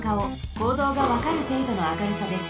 こうどうがわかるていどの明るさです。